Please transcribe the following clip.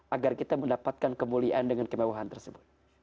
agar kita mendapatkan kemuliaan dengan kemewahan tersebut